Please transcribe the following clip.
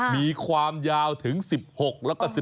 มีความยาวถึง๑๖แล้วก็๑๖